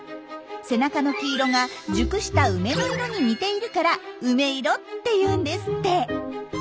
背中の黄色が熟したウメの色に似ているから「ウメイロ」っていうんですって。